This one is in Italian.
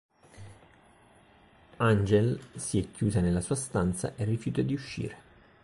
Angèle si è chiusa nella sua stanza e rifiuta di uscire.